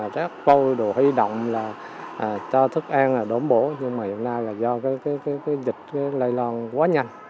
rất vô đủ huy động là cho thức ăn là đổn bổ nhưng mà hiện nay là do cái dịch lây lon quá nhanh